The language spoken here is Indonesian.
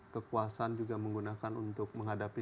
kekuasaan juga menggunakan untuk menghadapi